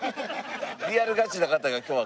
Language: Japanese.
リアルガチの方が今日は。